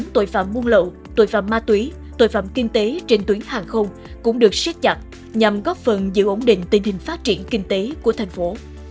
tội phạm buôn lậu tội phạm ma túy tội phạm kinh tế trên tuyến hàng không cũng được siết chặt nhằm góp phần giữ ổn định tình hình phát triển kinh tế của thành phố